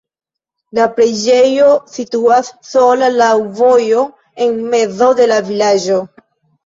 La preĝejo situas sola laŭ vojo en mezo de la vilaĝo.